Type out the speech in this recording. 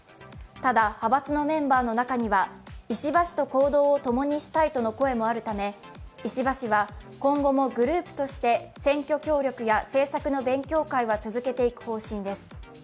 ただ、派閥のメンバーの中には石破氏と行動をともにしたいとの声もあるため石破氏は今後もグループとして選挙協力や政策の勉強会は続けていく方針です。